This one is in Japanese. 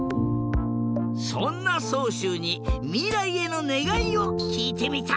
そんなそうしゅうにみらいへのねがいをきいてみた。